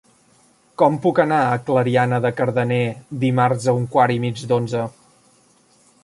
Com puc anar a Clariana de Cardener dimarts a un quart i mig d'onze?